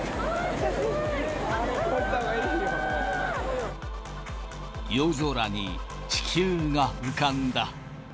すごい！夜空に地球が浮かんだ。